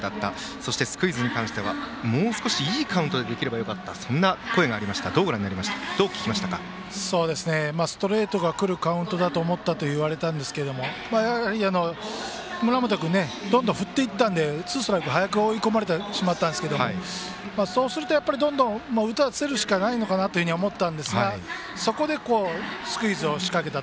そしてスクイズに関してはもう少しいいカウントでできればよかったという声がありましたがストレートが来るカウントだと思ったと言われたんですがやはり、村本君どんどん振っていったのでツーストライクと早く追い込まれたんですがそうすると打たせるしかないのかなと思ったんですがそこでスクイズを仕掛けた。